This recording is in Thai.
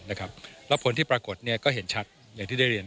แล้วผลที่ปรากฏก็เห็นชัดอย่างที่ได้เรียน